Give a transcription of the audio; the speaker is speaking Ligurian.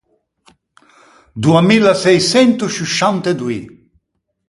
Doa mia sëi çento sciusciant’e doî.